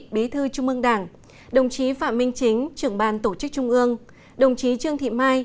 bí thư trung ương đảng đồng chí phạm minh chính trưởng ban tổ chức trung ương đồng chí trương thị mai